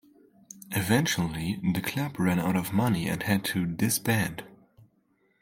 Eventually the club ran out of money and had to disband.